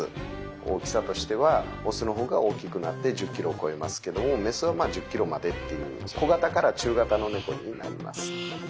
大きさとしてはオスの方が大きくなって１０キロを超えますけどもメスはまあ１０キロまでっていう小型から中型のネコになります。